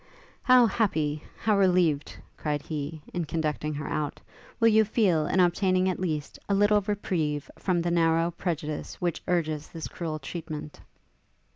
'How happy, how relieved,' cried he, in conducting her out, 'will you feel in obtaining at last, a little reprieve from the narrow prejudice which urges this cruel treatment!'